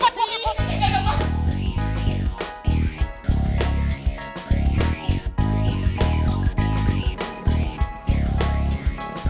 jangan dong bos